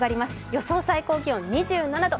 予想最高気温２７度。